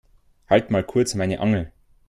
Halt mal kurz meine Angel.